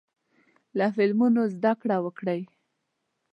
له فلمونو زده کړه وکړئ.